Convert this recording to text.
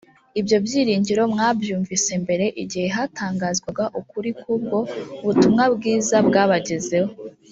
ibyo byiringiro mwabyumvise mbere igihe hatangazwaga ukuri kubwo butumwa bwiza bwabagezeho